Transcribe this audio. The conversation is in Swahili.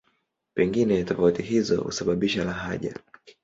Pengine tofauti hizo husababisha lahaja.